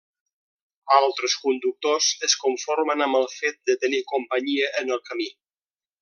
Altres conductors es conformen amb el fet de tenir companyia en el camí.